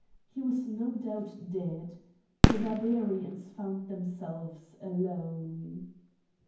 He was no doubt dead. The Barbarians found themselves alone.